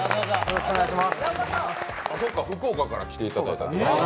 福岡から来ていただいたと。